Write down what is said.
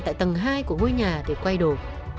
tại tầng hai của hôi nhà để quay đồ